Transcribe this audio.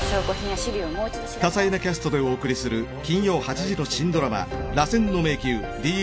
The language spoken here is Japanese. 多彩なキャストでお送りする金曜８時の新ドラマ。